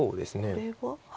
これは。